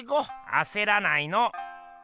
あせらないの。